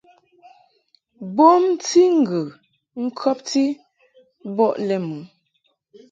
Bomti ŋgə ŋkɔbti bɔ lɛ mɨ.